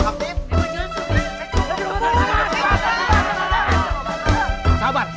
ya baik pak